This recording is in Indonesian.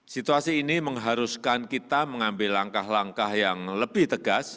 situasi ini mengharuskan kita mengambil langkah langkah yang lebih tegas